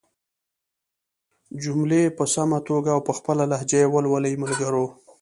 جملې په سمه توګه او په خپله لهجه ېې ولولئ ملګرو!